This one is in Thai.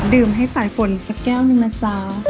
ดื่มให้สายฝนสักแก้วนี่มาจ้า